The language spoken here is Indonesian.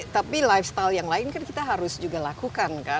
tapi lifestyle yang lain kan kita harus juga lakukan kan